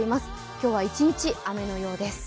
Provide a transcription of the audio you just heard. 今日は一日、雨のようです。